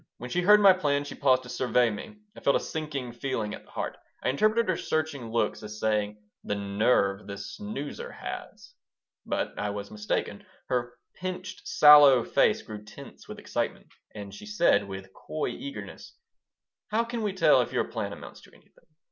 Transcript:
When she heard my plan she paused to survey me. I felt a sinking at the heart. I interpreted her searching look as saying, "The nerve this snoozer has!" But I was mistaken. Her pinched, sallow face grew tense with excitement, and she said, with coy eagerness: "How can we tell if your plan amounts to anything?